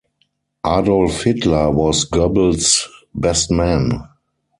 Adolf Hitler was Goebbels' best man.